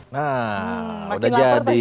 nah udah jadi